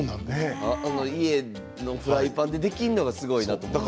家のフライパンでできるのがすごいなと思った。